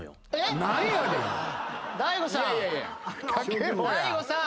大悟さん。